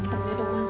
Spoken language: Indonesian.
tunggu dulu mas